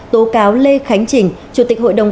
tố cáo lê khánh trình chủ tịch hội đồng